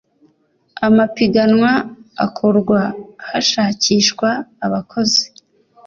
amapiganwa akorwa hashakishwa abakozi.